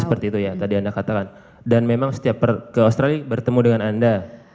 seperti itu ya tadi anda katakan dan memang setiap ke australia bertemu dengan anda